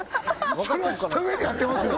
それは知ったうえでやってますよ